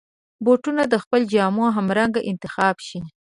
بوټونه د خپلو جامو همرنګ انتخاب شي.